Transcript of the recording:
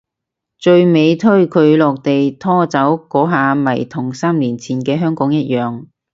最尾推佢落地拖走嗰下咪同三年前嘅香港一樣